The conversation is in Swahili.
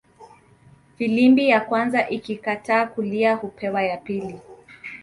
Filimbi ya kwanza ikikataa kulia hupewa ya pili